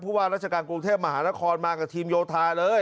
ว่าราชการกรุงเทพมหานครมากับทีมโยธาเลย